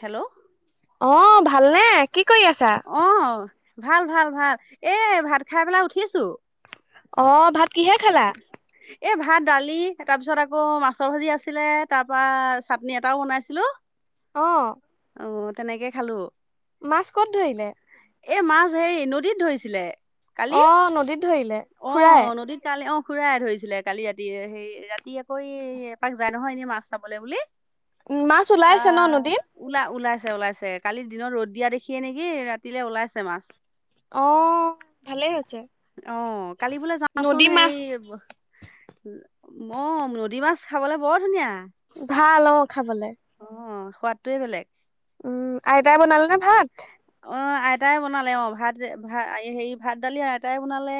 Hello অ' ভালনে, কি কৰি আছা? আহ ভাল ভাল ভাল, এই ভাত খাই পেলাই উঠিছো। অ' ভাত কিহে খালা? এই ভাত দালি তাৰ পিছত আকৌ মাছৰ ভাজি আছিলে তাৰ পৰা চাটনি এটাওঁ বনাইছিলো। অ'। অঁ তেনেকে খালোঁ। মাছ ক'ত ধৰিলে? এ মাছ হেৰি নদীত ধৰিছিলে কালি, অ' নদীত ধৰিলে খুৰাই। আহ নদীত। কালি অ খুৰাই ধৰিছিলে কালি ৰাতি সেই ৰাতি আক এ এপাক যায় নহয় এনে মাছ চাবলে বুলি। উম, মাছ ওলাইছে ন নদীত? আহ ওলা ওলাইছে ওলাইছে কালি দিনত ৰ'দ দিয়া দে খিয়ে নেকি ৰাতিলে ওলাইছে মাছ। অ' ভালেই হৈছে অঁ কালি বোলে যাওঁচোন নদী সেই মাছ। ম নদী মাছ খাবলে বৰ ধুনীয়া। ভাল অ খাবলে। অ সোৱাদটোৱে বেলেগ। উম, আইতাই বনালেনে ভাত? অ আইতাই বনালে অ ভাত ভা আএ হেৰি ভাত দালি আইতাই বনালে,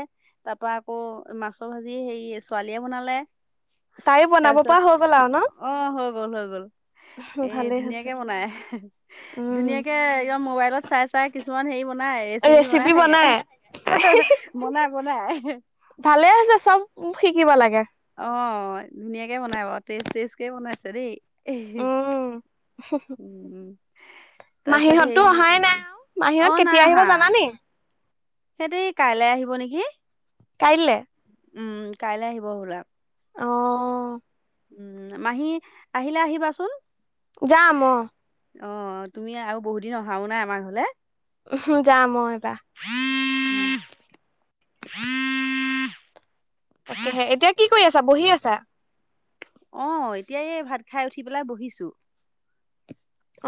তাৰ পৰা আকৌ মাছৰ ভাজি হেৰি ছোৱালীয়ে বনালে। তাইও বনাব তাৰপিছত পৰা হৈ গ'ল আৰু ন? অ হৈ গ'ল হৈ গ'ল। এ ভালেই হৈছে ধুনীয়াকে বনাই, উম, ধুনীয়াকে ইয়া মোবাইলত চাই চা তাই কিছুমান হেৰি বনাই ৰেচিপি বনাই থাকে, বনাই বনাই। ভালেই হৈছে চব শিকিব লাগে। অ ধুনীয়াকে বনাই বাৰু টেষ্ট টেষ্টকে বনাইছে দেই। উম, উম তাৰ পিছত মাহীহঁততো সেই অহাই নাই আৰু মাহীহঁত অ কেতিয়া নাই আহিব আহা জানানি? সিহঁতি কাইলৈ আহিব নেকি? কাইলে। উম কাইলৈ আহিব হবলা। অ। উম মাহী আহিলে আহিবাচোন। যাম অ। অ তুমি আৰু বহুত দিন অহাও নাই আমাৰ ঘৰলে। উম যাম মই এইবাৰ। তাকেহে এতিয়া কি কৰি আছা বহি আছা? অ এতিয়া এই ভাত খাই উঠি পেলাই বহিছো।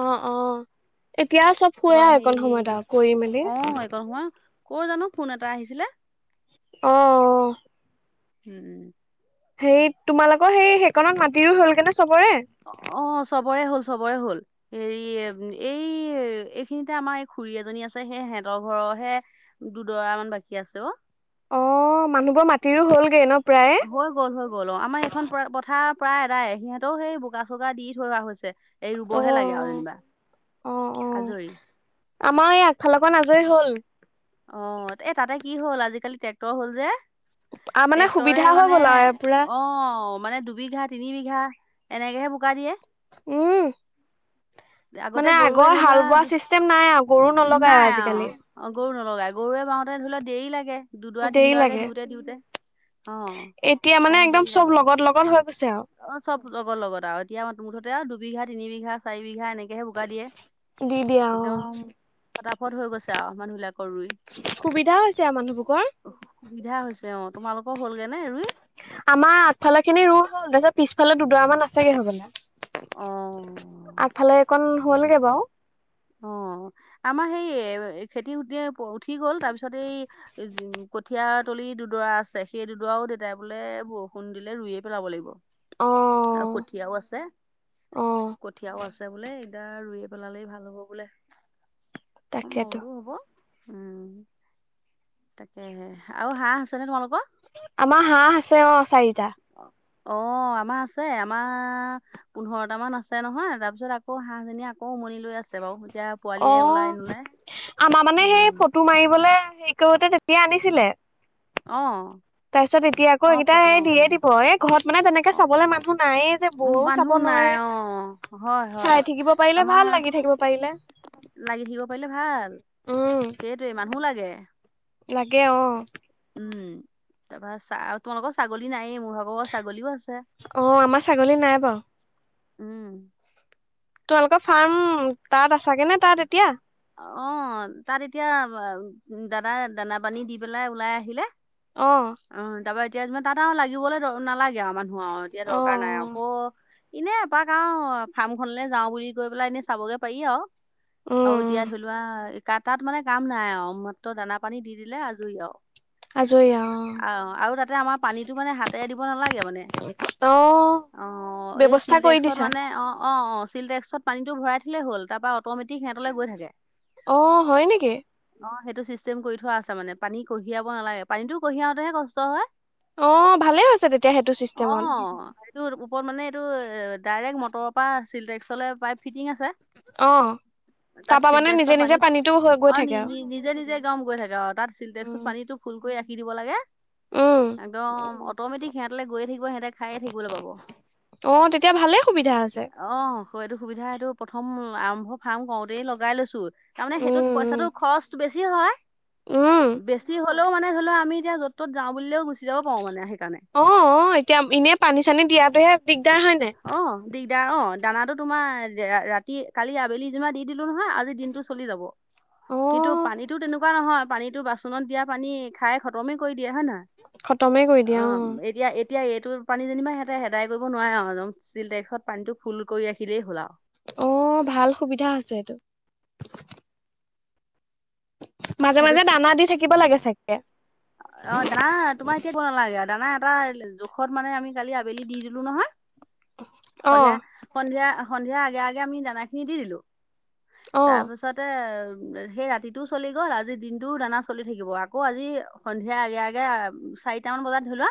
অ অ এতিয়া চব শুৱে ক'বাৰ আৰু হেৰি এইকণ সময়ত আৰু কৰি মেলি। অ এই [inaudible] ক জানো ফোন এটা আহিছিলে। অঁ। উম উম। সেই তোমালোকৰ সেই সেইকনত মাটিৰো হলগে ন চবৰে? অ চবৰে হল চবৰে হল। হেৰি এই এইখিনিতে আমাৰ এই খুৰী এজনী আছে সেই সিহঁতৰ ঘৰৰহে দুডৰা মান বাকী আছে অ। অ মানুহবোৰ মাটিৰো হ'লগৈ ন প্ৰায়। হৈ গ'ল হৈ গ'ল অ আমাৰ এইখন পথাৰ প্ৰায় এটাই সিহঁতৰো সেই বোকা চোকা দি থোৱা হৈছে। এই অ ৰুবহে লাগে আৰু যেনিবা অ অ আজৰি। আমাৰ এই আগফালৰ আজৰি হ'ল। অ এ তাতে কি হ'ল আজিকালি ট্ৰেক্টৰ হল যে। আ মানে সুবিধা ট্ৰেক্টৰে হৈ মানে গ'ল আৰু পুৰা অ মানে দুবিঘা তিনি বিঘা এনেকেহে বোকা দিয়ে। উম। আগতে মানে গৰুৱে আগৰ ধৰি হাল লোৱা বোৱা দু- চিষ্টেম নাই আৰু গৰু নলগাই নাই আৰু অ', আজিকালি। অ গৰু নলগাই গৰুৱে বাওঁতে ধৰি লোৱা দেৰি লাগে। দুডৰা দেৰি তিনিদৰাকে লাগে দিওঁতে দিওঁতে অ সেইকাৰণে দেৰি লাগে। লগন হৈ। কৈছে আৰু অ চব লগত লগত আৰু এতিয়া মুঠতে আৰু দুবিঘা তিনি বিঘা চাৰি বিঘা এনেকে। এতিয়াহে বুকা দিয়ে দি দিয়া অ একদম ফটাফট হৈ গৈছে আৰু মানুহিলাকৰ ৰুই। সুবিধা হৈছে আৰু মানুহবোকৰ। সুবিধা হৈছে অ। তোমালোকৰ হ'লগে নে ৰুই? আমাৰ আগফালাৰ খিনি ৰুৱা হ'ল। তাৰপিছত পিছফালে দুডৰা মান আছেগে হবলা। অ'। আগফালে অকণ হ'লগে বাৰু। অ আমাৰ সেই এ খেতি খতি উঠি গ'ল তাৰপিছত এই কঠিয়া তলি দুডৰা আছে সেই দুডৰাও দেউতাই বোলে বৰষুণ দিলে ৰুয়ে পেলাব লাগিব। অ আৰু কঠীয়াও আছে অ কঠীয়াও আছে বোলে। দেউতায়ে ৰুইে পেলালেই ভাল হ'ব বোলে অ মই তাকেতো বোলোঁ হ'ব। উম তাকেহে আৰু হাঁহ আছেনে তোমালোকৰ? আমাৰ হাঁহ আছে অ চাৰিটা। অ আমাৰ আছে আমাৰ পোন্ধৰটামান আছে নহয় তাৰপিছত আকৌ হাঁহজনি আকৌ উমনি লৈ আছে বাৰু এতিয়া অ পোৱালিয়ে ওলাই নোলাই আমাৰ মানে সেই উম ফটো মাৰিবলৈ হেৰি কৰোতে তেতিয়া আনিছিলে অ তাৰপিছত এতিয়া আকৌ অ এইকেইটা ফটো এই মাৰোঁ দিয়ে দিব এই ঘৰত মানে তেনেকে অ চাবলৈ মানুহ নায়ে যে উম, বৌও মানুহ চাব নাই নোৱাৰে অ', হয় হয় চাই থাকিব পাৰিলে ভাল আমাৰ লাগি থাকিব পাৰিলে লাগি থাকিব পাৰিলে ভাল অ সেইটোৱে মানুহো লাগে লাগে অ উম তাপ চা তোমালোকৰ ছাগলী নায়েই মোৰ ভাগৰ ছাগলীও আছে অ আমাৰ ছাগলী নাই বাৰু উম। তোমালোকৰ ফাৰ্ম তাত আছাগে নে তাত এতিয়া অ তাত এতিয়া দাদা দানা পানী দি পেলাই ওলাই আহিলে অ অ তাৰ পৰা এতিয়া তাত আৰু লাগিবলৈ নালাগে আৰু মানুহ আৰু এতিয়া অ দৰকাৰ নাই অ আকৌ এনে এপাক আৰু ফাৰ্মখনলৈ যাওঁ বুলি কৈ পেলাই এনে চাবগে পাৰি আৰু আৰু এতিয়া উম, ধৰিলোৱা ক তাত মানে কাম নাই আৰু মাত্ৰ দানা পানী দি দিলে আজৰি আৰু আজৰি অ অ আৰু তাতে আমাৰ পানীতটো মানে হাতেৰে দিব নালাগে মানে অ অ এই ব্যৱস্থা কৰি চিলটেক্সত দিছা? মানে অ অ অ চিলটেক্সত পানীটো ভৰাই থলেই হ'ল অট'মেটিক সিহঁতলে গৈ থাকে অ হয় নেকি অ সেইটো চিষ্টেম কৰি থোৱা আছে মানে পানী কঢ়িয়াব নালাগে পানীটো কঢ়িয়াওতেহে কষ্ট হয় অ', ভালে হৈছে তেতিয়া সেইটো অ চিষ্টেমত। এইটো ওপৰত মানে এইটো ডাইৰেক্ট মটৰৰ পৰা চিল্টেক্সলে পাইপ ফিটিং আছে অ তাত তাৰপা মানে চিলটেক্সত নিজে পানী নিজে পানীটো হৈ গৈ অ নি থাকে আৰু। নি নিজে নিজে গম গৈ থাকে অ তাত [unintelligible] উম, পানীটো ফুল কৰি ৰাখি দিব লাগে উম, একদম অট'মেটিক সিহঁতলে গৈ থাকিব সিহঁতেক খাইয়ে থাকিবলৈ পাব অ', তেতিয়া ভালেই সুবিধা আছে। অ এইটো সুবিধা এইটো প্ৰথম আৰম্ভ ফাৰ্ম কৰওঁতেই লগাই লৈছো তাৰমানে সেইটোত পইচাটো উম, খৰচ বেছি হয় উম। বেছি হলেও মানে ধৰি লোৱা আমি এতি যত তত যাওঁ বোলিলেও গুচি যাব পাৰো মানে সেইকাৰণে অ অ এতিয়া এনে পানী চানী দিয়াটোহে দিগদাৰ হয় নাই অ', দিগদাৰ অ দানাটো তোমাৰ ৰাতি কালি আবেলি জেনিবা দি দিলো নহয় আজি দিনটো চলি যাব কিন্তু অ', পানীতো তেনেকুৱা নহয় পানীতো বাচনত দিয়া পানী খাই খতমে কৰি দিয়ে হয় নে খতমে কৰি দিয়ে নহয় অ এতিয়া এতিয়া এইটো পানী যেনিবা সিহতে হেদাই কৰিব নোৱাৰে আৰু নজমছিল টেক্ত পানী টো ফুল কৰি ৰাখিলেই হ'ল আৰু অ ভাল সুবিধা আছ এইটো মাজে সেইটো মাজে দানা দি থাকিব লাগে চাগে অ দানা তোমাৰ এতিয়া ক নালাগে আৰু দানা এটা জোখত মানে আমি কালি আবেলি দি দিলো নহয় অ [inaudible] সন্ধিয়া সন্ধিয়া সন্ধিয়াৰ আগে আগে আমি দানা খিনি দি দিলো অ', তাৰপিছত পিছতে সেই ৰাতিটোও চলি গ'ল আজি দিনটোও দানা চলি থাকিব আকৌ আজি সন্ধিয়া আগে আগে চাৰিটামান বজাত ধৰি লোৱা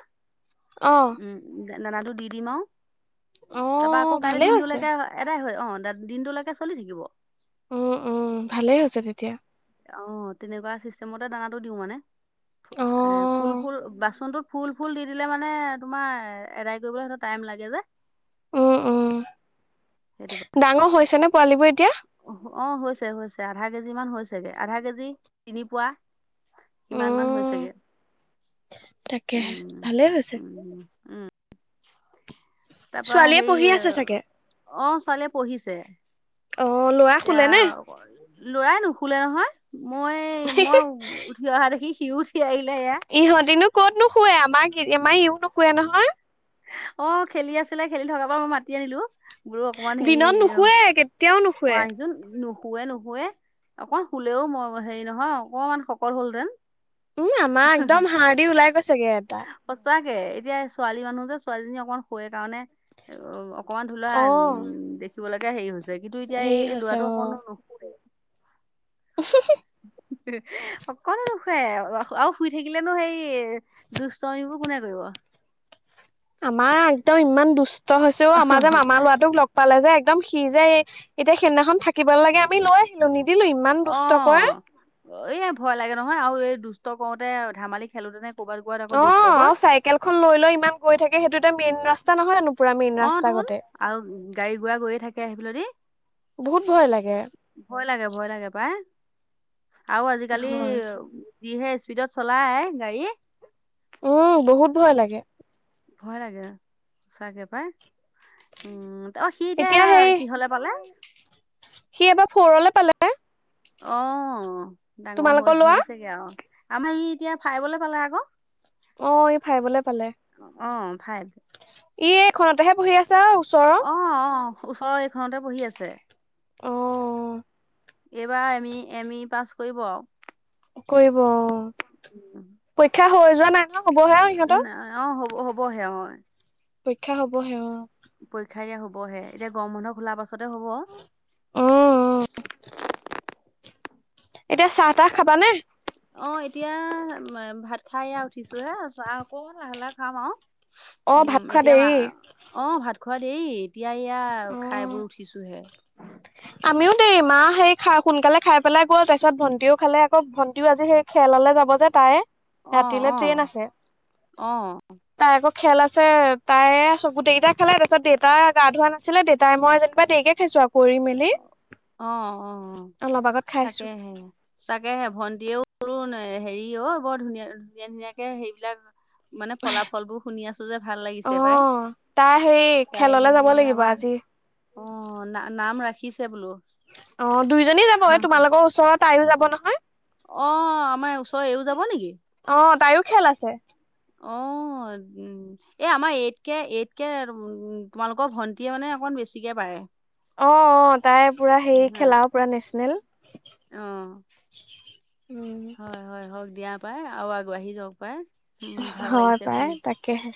অ', উম, দানাটো দি দিম আৰু [unintelligible] তাৰপৰা অ', আকৌ কাইলৈ ভালেই হৈছে। দিনটোলৈকে এটাই হয় আহ, দিনটোলৈকে চলি থাকিব। উম, উম ভালেই হৈছে তেতিয়া। অ' তেনেকুৱা চিষ্টেমতে দানাটো দিও মানে অ' এ ফুল ফুল বাচনটোত ফুল, ফুল দি দিলে মানে তোমাৰ এটাই কৰিবলৈ সেই টাইম লাগে যে। উম, সেইটো উম, ডাঙৰ হৈছে নে পোৱালীবোৰ এতিয়া? অ', হৈছে, হৈছে আধা কেজি মান হৈছেগে আধা কেজি তিনি পোৱা। ইমান মান হৈছে উম গে তাকেহে উম ভালেই উ হৈছে [unintelligible] তাৰপৰা ছোৱালীয়ে হেৰি পঢ়ি আছে চাগে অ' ছোৱালীয়ে পঢ়িছে। অ' ল'ৰা এতিয়া শুলেনে? ল'ৰাই নুশুলে নহয় মই, মই উঠি অহা দেখি সিও উঠি আহিলে এইয়া ইহঁতেনো ক'ত নো শুৱে আমাৰ আমাৰ ইও নোশুৱে নহয়। অ' খেলি আছিলে খেলি থকাৰ পৰা মই মাতি আনিলো দূৰক। দিনত নুশুৱে। কেতিয়াও অ নুশুৱে আহি চোন নু [unintelligible] শুৱে -নুশুৱে আকৌ শুলেও মই হেৰি নহয় অকমান শকত হ'ল যে উম আমাৰ একদম হাড়দি ওলাই গৈছেগে এটা সঁচাকে এতিয়া ছোৱালী মানুহ যে, ছোৱালীজনী অকমান শুৱে কাৰণে অ'। অকণমান হ'লেও অ উম দেখিব লৈকে হেৰি হৈছে কিন্তু এতিয়া হেৰি এই হৈছে ল'ৰাটো অকনো নুশুৱে উ [unintelligible] অকনো নুশুৱে আৰু শুই থাকিলে নো সেই দুষ্টামিবোৰ কোনে কৰিব? আমাৰ এইকেইটাও ইমান দুষ্ট হৈছেও আমাৰ যে মামাৰ ল'ৰাটোক লগ পালে যে একদম সি যে এতিয়া সেইদিনাখন থাকিব নালাগে আমি লৈ নিদিলো ইমান দুষ্ট কৰে অ', এ, ভয় লাগে নহয় আৰু এই দুষ্ট কৰোতে ধেমালি খেলোতে নে ক'ৰবাত ক'ৰবাত আকৌ দুখ অ' পাব আৰু চাইকেলখন লৈ লৈ ইমান গৈ থাকে সেইটো এটা মেইন ৰাস্তা নহয় জানো পুৰা মেইন অ ৰাস্তা তোন গোতে আৰু গাড়ী -ঘোঁৰাগৈয়ে থাকে সেইফালে দি বহুত ভয় লাগে। ভয় লাগে, ভয় লাগে পায় আৰু আজিকালি। হয় যিহে স্পীডত চলাই গাড়ী। উম বহুত ভয় লাগে। ভয় লাগে সঁচাকে পাই। উম, ত সি এতিয়া কি হ'লে পালে? সি এবাৰ ফ'ৰলৈ পালে! অ' ডাঙৰ তোমালোকৰ ল'ৰা হৈছেগে আৰু আমাৰ ই এতিয়া ফাইভলৈ পালে আকৌ। অ' ই ফাইভলে পালে, অ ফাইভ। ই এইখনতেহে পঢ়ি আছে আৰু ওচৰৰ অ', অ' ওচৰৰ এইখনতে পঢ়ি আছে। অ'। এইবাৰ M E, M E pass কৰিব আৰু কৰিব অ' পৰীক্ষা হৈ যোৱা নাই নহয় হ'বহে আৰু ইহঁতৰ অ', হ'ব হ'বহে আৰু পৰীক্ষা হ'ব হে অ'। পৰীক্ষা এতিয়া হ'বহে এতিয়া গৰম বন্ধ খোলা পাছতহে হ'ব। অঁ', -অঁ',। এতিয়া চাহ-তাহ খাবা নে? অঁ', -এতিয়া ভাত খাই এয়া উঠিছো'হে চাহ আকৌ লাহে-লাহে খাম আৰু। অ ভাত উম' খোৱা এতিয়া দেৰি অঁ', -ভাত খোৱা দেৰি। এতিয়া এয়া খাই অ বৈ উঠিছো হে। আমিও দেই মা সেই সোনকালে খাই পেলাই গ'ল, তাৰপিছত ভন্টিও খালে আকৌ ভণ্টিও আজি সেই- খেললে যাব যে তাই অ ৰাতিলৈ অ ট্ৰেইন আছে। তাই আকৌ খেল আছে তায়ে চব গোটেই কেইটা খেলে, তাৰপিছত দেউতাই গা ধোৱা নাছিলে, দেউতাই মই যেনিবা দেৰিকে- সেই চোৱা কৰি মেলি। অঁ', -অঁ', অলপ আগত খাইছো -তাকে'হে। তাকে'হে ভণ্টিও হেৰি অ' বৰ ধুনীয়া-ধুনীয়া-ধুনীয়াকে সোৱাবিলাক। মানে ফলাফলবোৰ শুনি আছো যে ভাল অ লাগিছে পাই। তাই সেই খেললে যাবলে লাগিব আজি। অঁ', না-নাম ৰাখিছে বোলো। অঁ', -দুয়োজনী যাব, এই তোমালোকৰ ওচৰত আহি যাব নহয়। অঁ', -আমাৰ ওচৰে এওঁ যাব নেকি? অ তাইও খেল আছে অঁ',। এই আমাৰ এইট কে, এইট কে উম'তোমালোকৰ ভণ্টিয়ে মানে অকণ বেছিকে পাৰে। অঁ', -অঁ', তাই পুৰা হেৰি খেলা পুৰা নেশ্যনেল। অঁ', হয়-হয়, হওঁক দিয়া পাই আৰু আগবাঢ়ি যাওক পাই। উম ভাল হয় লাগিছে শুনি পাই তাকে'হে।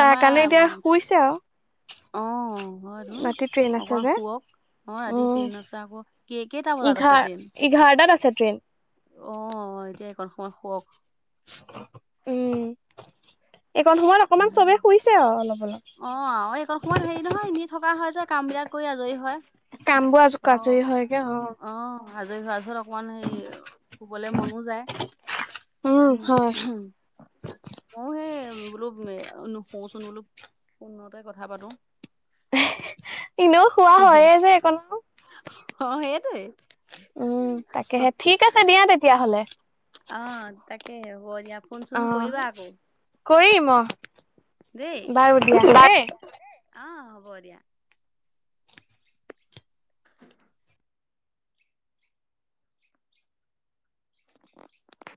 তাৰ কাৰণে এতিয়া শুইছে আৰু। অঁহ', হয় তো' ৰাতি ট্ৰেইন আছে অকণ যে শুৱক। অঁ', ৰাতি উম ট্ৰেইন আছে আকৌ। কেই-কেইটা বজাত আছে এঘাৰ ট্ৰেইন? এঘাৰটাত আছে ট্ৰেইন। অঁ', এতিয়া এইকণ সময় শুওক। উমঁ, এইকণ সময়ত অকণমান চবেই শুইছে আৰু অলপ-অলপ। অঁ', এইকণ সময়ত হেৰি নহয় এনেই থকা হয় যে কাম বিলাক কৰি আজৰি হয়। কামবোৰ আৰু আজৰি হয় গে অঁ',। আজৰি হোৱা পিছত অকণমান হে শুবলে মনো যায়। উম হয় মইয়ো সেই বোলো শুচোন বোলো ফোনতে কথা পাতো। এইও অঁ', -সেইটোয়ে। উমঁ' তাকে'হে, ঠিক আছে দিয়া তেতিয়াহ'লে। অঁ', -তাকে'হে হ'ব দিয়া। ফোন-চোন অ কৰিবা আকৌ কৰিম অ দেই। বাৰু দিয়া দেই অঁ', হ'ব দিয়া। [unintelligible]